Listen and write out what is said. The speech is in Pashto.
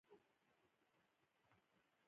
تاسې ښایي افغانانو ته رشوتونه او پیسې ورکړئ.